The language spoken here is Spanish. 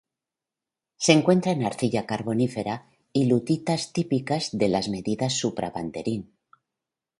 Se encuentran en arcilla carbonífera y lutitas típicas de las Medidas Supra-Banderín.